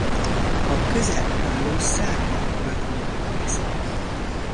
A közelben álló Szádvár uradalmának része volt.